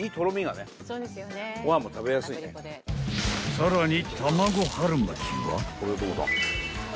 ［さらに］